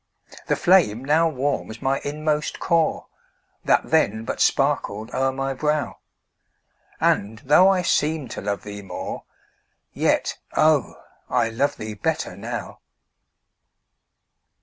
The flame now warms my inmost core, That then but sparkled o'er my brow, And, though I seemed to love thee more, Yet, oh, I love thee better now.